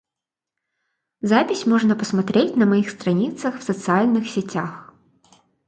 Запись можно посмотреть на моих страницах в социальных сетях.